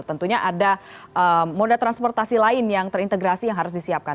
tentunya ada moda transportasi lain yang terintegrasi yang harus disiapkan